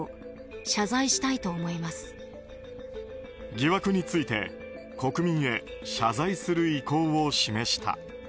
疑惑について国民へ謝罪する意向を示した。